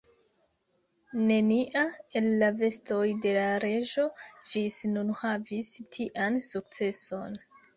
Nenia el la vestoj de la reĝo ĝis nun havis tian sukceson.